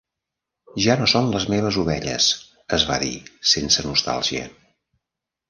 "Ja no són les meves ovelles", es va dir, sense nostàlgia.